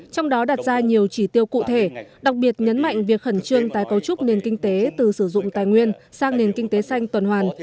trong đó đặt ra nhiều chỉ tiêu cụ thể đặc biệt nhấn mạnh việc khẩn trương tái cấu trúc nền kinh tế từ sử dụng tài nguyên sang nền kinh tế xanh tuần hoàn